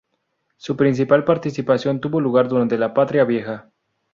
Su principal participación tuvo lugar durante la Patria Vieja.